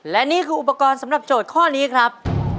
และนี่คืออุปกรณ์สำหรับโจทย์ข้อนี้ครับ